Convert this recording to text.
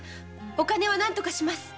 お金はなんとかします。